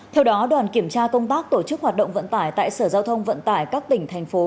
theo đó đoàn kiểm tra công tác tổ chức hoạt động vận tải tại sở giao thông vận tải các tỉnh thành phố